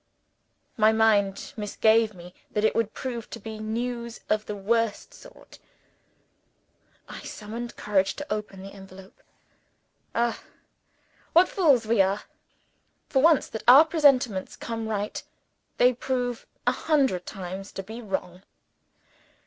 My mind misgave me that it would prove to be news of the worst sort. I summoned courage to open the envelope. Ah, what fools we are! For once that our presentments come right, they prove a hundred times to be wrong.